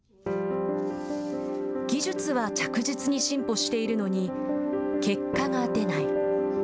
技術は着実に進歩しているのに結果が出ない。